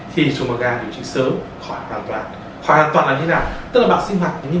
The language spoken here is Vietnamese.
thì xùi màu gà điều trị sớm khỏi hoàn toàn khỏi hoàn toàn là như thế nào tức là bạn sinh hoạt như